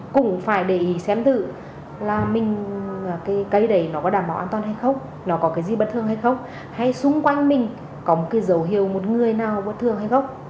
cũng phải để ý xem thử là mình cái cây đấy nó có đảm bảo an toàn hay không nó có cái gì bất thường hay không hay xung quanh mình có một cái dấu hiệu một người nào bất thường hay không